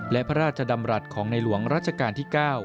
และพระราชดำรัฐของในหลวงรัชกาลที่๙